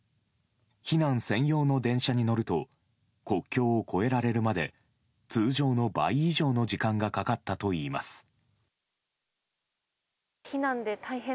避難専用の電車に乗ると国境を越えられるまで通常の倍以上の時間がかかったといいます。